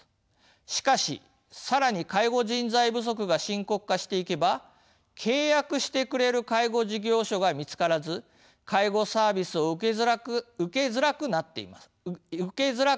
しかし更に介護人材不足が深刻化していけば契約してくれる介護事業所が見つからず介護サービスを受けづらくなっていきます。